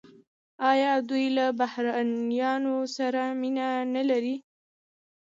آیا دوی له بهرنیانو سره مینه نلري؟